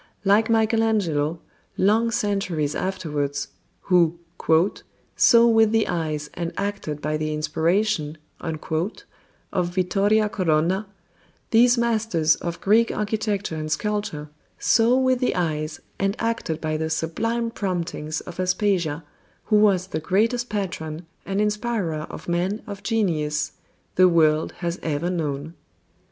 Like Michaelangelo, long centuries afterwards, who "saw with the eyes and acted by the inspiration" of Vittoria Colonna, these masters of Greek architecture and sculpture saw with the eyes and acted by the sublime promptings of Aspasia, who was the greatest patron and inspirer of men of genius the world has ever known.